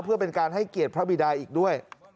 เพื่อเป็นการให้เกียรติพระบิดาอีกด้วย